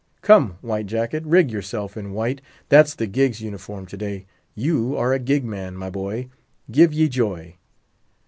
"Come, White Jacket, rig yourself in white—that's the gig's uniform to day; you are a gig man, my boy—give ye joy!"